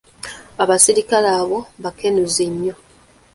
Abasirikale abo bakenuzi nnyo.